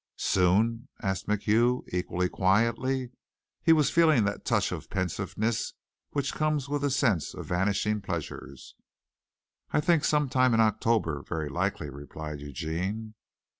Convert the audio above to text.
"Soon?" asked MacHugh, equally quietly. He was feeling that touch of pensiveness which comes with a sense of vanishing pleasures. "I think some time in October, very likely," replied Eugene.